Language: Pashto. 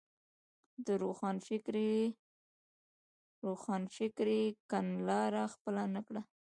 د روښانفکرۍ کڼلاره خپله نه کړه.